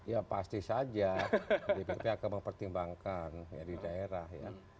ya pasti saja dpp akan mempertimbangkan di daerah ya